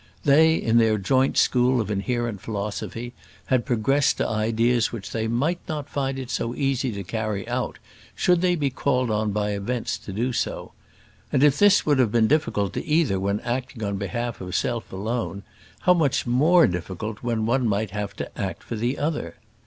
They, in their joint school of inherent philosophy, had progressed to ideas which they might find it not easy to carry out, should they be called on by events to do so. And if this would have been difficult to either when acting on behalf of self alone, how much more difficult when one might have to act for the other!